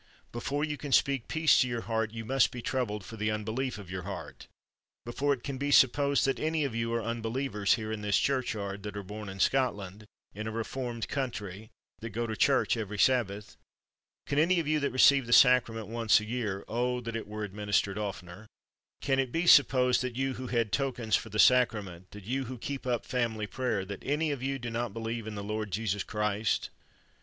Before you can speak peace to your heart, you must be troubled for the unbelief of your heart. But can it be supposed that any of you are unbelievers here in this churchyard, that are born in Scotland, in a reformed coun try, that go to church every Sabbath ? Can any of you that receive the sacrament once a year — oh, that it were administered of tener !— can it be 187 THE WORLD'S FAMOUS ORATIONS supposed that you who had tokens for the sacra ment, that you who keep up family prayer, that any of you do not believe in the Lord Jesus Christ?